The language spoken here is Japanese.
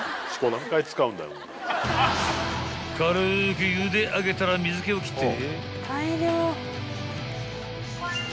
［軽くゆで上げたら水気を切って］